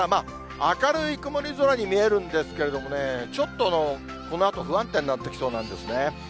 明るい曇り空に見えるんですけれどもね、ちょっとこのあと不安定になってきそうなんですね。